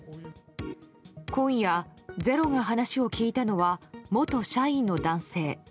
今夜、「ｚｅｒｏ」が話を聞いたのは元社員の男性。